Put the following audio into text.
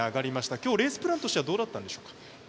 今日、レースプランとしてはどうだったんでしょうか？